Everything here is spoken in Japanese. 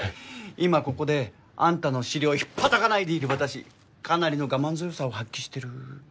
今ここであんたの尻をひっぱたかないでいる私かなりの我慢強さを発揮してる。